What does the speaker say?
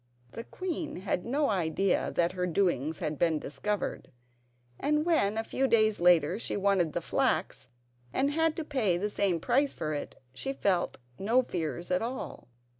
The queen had no idea that her doings had been discovered; and when, a few days later, she wanted the flax, and had to pay the same price for it, she felt no fears at all.